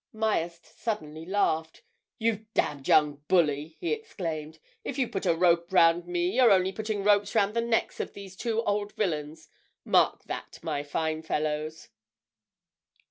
Myerst suddenly laughed. "You damned young bully!" he exclaimed. "If you put a rope round me, you're only putting ropes round the necks of these two old villains. Mark that, my fine fellows!"